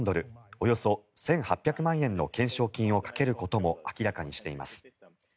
およそ１８００万円の懸賞金をかけることも明らかにしています。